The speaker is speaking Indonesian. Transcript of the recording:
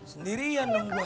sendirian dong gue